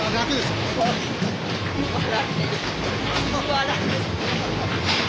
笑ってる。